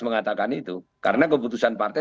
mengatakan itu karena keputusan partai